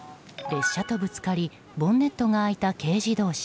列車とぶつかりボンネットが開いた軽自動車。